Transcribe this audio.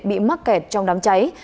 bị mắc kẹt trong đám cháy